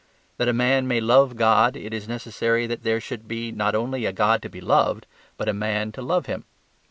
That a man may love God it is necessary that there should be not only a God to be loved, but a man to love him.